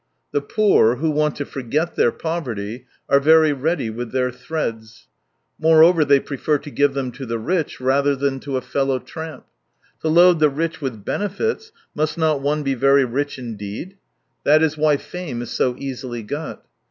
The poor, who want to forget their poverty, are very ready with their threads. Moreover, they prefer to give them to the rich, rather than to a fellow tramp. To load the rich with benefits, must not one be very rich indeed ? That is why fame is so easily got.